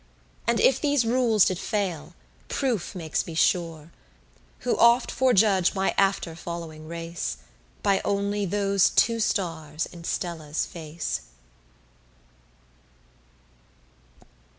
And if these rules did fail, proof makes me sure, Who oft fore judge my after following race, By only those two stars in Stella's face.